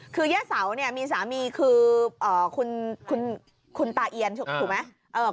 คือย่าเสาเนี่ยมีสามีคือคุณตาเอียนถูกไหม